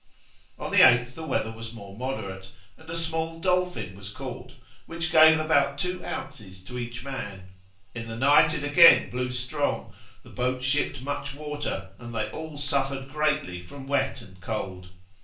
On the 8th the weather was more moderate, and a small dolphin was caught, which gave about two ounces to each man: in the night it again blew strong, the boat shipped much water, and they all suffered greatly from wet and cold.